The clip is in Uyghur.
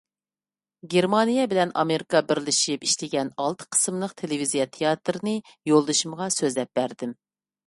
گېرمانىيە بىلەن ئامېرىكا بىرلىشىپ ئىشلىگەن ئالتە قىسىملىق تېلېۋىزىيە تىياتىرىنى يولدىشىمغا سۆزلەپ بەردىم.